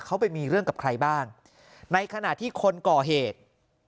เขาไปมีเรื่องกับใครบ้างในขณะที่คนก่อเหตุ